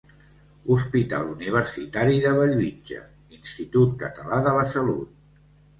Hospital Universitari de Bellvitge, Institut Català de la Salut.